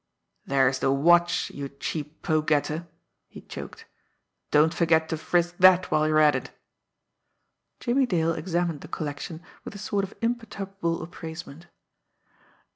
"There's the watch, you cheap poke getter!" he choked. "Don't forget to frisk that while you're at it!" Jimmie Dale examined the collection with a sort of imperturbable appraisement.